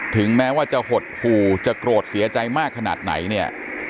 ถึงแม้ว่าจะหดหู่จะโกรธเสียใจมากขนาดไหนเนี่ย